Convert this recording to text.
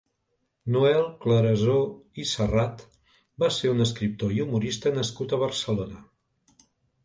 Noel Clarasó i Serrat va ser un escriptor i humorista nascut a Barcelona.